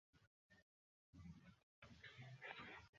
তোকে মেরেই ফেলবো।